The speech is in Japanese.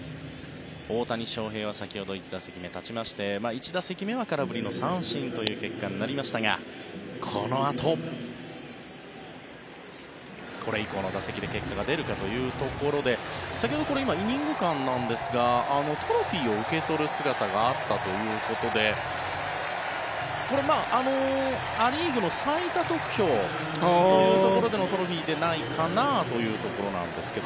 大谷翔平は先ほど１打席目、立ちまして１打席目は空振りの三振という結果になりましたがこのあと、これ以降の打席で結果が出るかというところで先ほど、イニング間なんですがトロフィーを受け取る姿があったということでこれ、ア・リーグの最多得票というところでのトロフィーじゃないかというところなんですが。